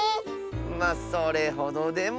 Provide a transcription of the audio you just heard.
まあそれほどでも。